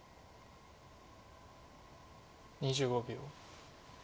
２５秒。